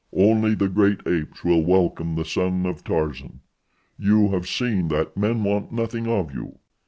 Only the great apes will welcome the son of Tarzan. You have seen that men want nothing of you.